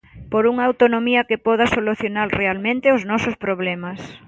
Por unha autonomía que poda solucionar realmente os nosos problemas.